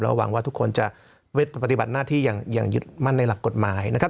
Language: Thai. หวังว่าทุกคนจะปฏิบัติหน้าที่อย่างยึดมั่นในหลักกฎหมายนะครับ